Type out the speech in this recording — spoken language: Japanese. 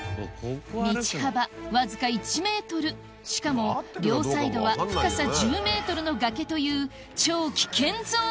道幅わずか１ｍしかも両サイドは深さ１０ｍの崖という超危険ゾーン